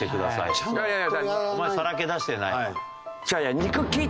お前さらけ出してないわ。